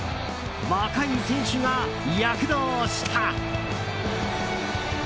若い選手が躍動した。